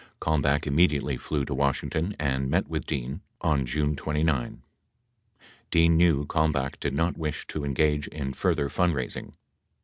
65 Kalmbach immediately flew to Washington and met with Dean on June 29. 66 Dean knew Kalmbach did not wish to engage in further fundraising.